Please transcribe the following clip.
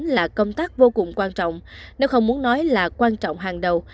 là công tác vô cùng quan trọng nếu không muốn nói là quan trọng hàng đầu